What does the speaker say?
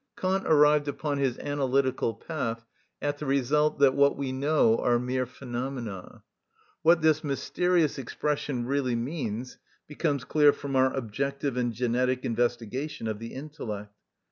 Kant arrived upon his analytical path at the result that what we know are mere phenomena. What this mysterious expression really means becomes clear from our objective and genetic investigation of the intellect.